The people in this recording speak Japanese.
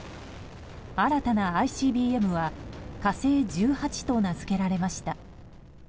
新たなＩＣＢＭは「火星１８」と名づけられました。